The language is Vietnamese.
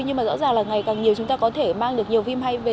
nhưng mà rõ ràng là ngày càng nhiều chúng ta có thể mang được nhiều phim hay về